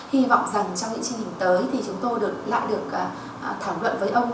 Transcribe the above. hy vọng rằng trong những chương trình tới thì chúng tôi lại được thảo luận với ông